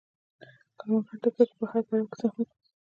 کروندګر د کښت په هر پړاو کې زحمت باسي